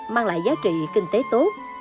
mang lại giá trị kinh tế tốt